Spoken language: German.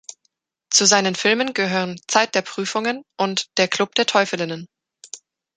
Zu seinen Filmen gehören „Zeit der Prüfungen“ und „Der Club der Teufelinnen“.